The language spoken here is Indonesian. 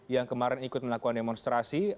yang kemarin ikut melakukan demonstrasi